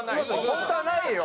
本当はないよ。